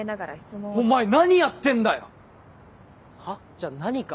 じゃあ何か？